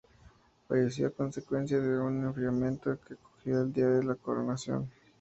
Falleció a consecuencia de un enfriamiento que cogió el día de su coronación.